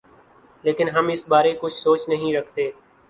لیکن ہم اس بارے کچھ سوچ نہیں رکھتے۔